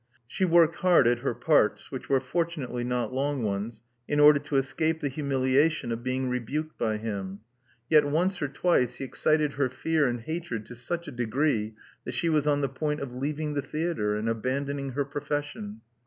She worked hard at her parts, which were fortunately not long ones, in order to escape the humiliation of being rebuked by him. Yet once or twice he excited her fear and hatred to such a degree that she was on the point of leaving the theatre, and abandoning her profession.